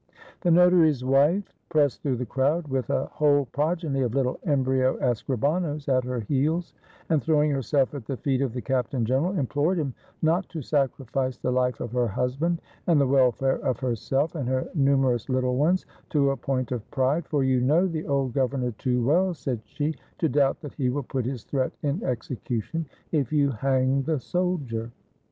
The notary's wife pressed through the crowd, with a whole progeny of little embryo escribanos at her heels, and throwing herself at the feet of the captain general, implored him not to sacrifice the life of her husband, and the welfare of herself and her numerous little ones, to a point of pride; "for you know the old governor too well," said she, " to doubt that he will put his threat in execu tion, if you hang the soldier."